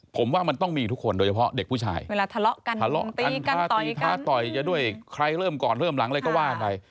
ผมว่ามันต้องมีทุกคนโดยเฉพาะเด็กผู้ชายเวลาทะเลาะกันทะเลาะตีกันต่อตีท้าต่อยจะด้วยใครเริ่มก่อนเริ่มหลังอะไรก็ว่าไป